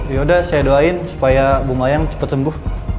yaudah saya doain supaya bumayang cepat sembuh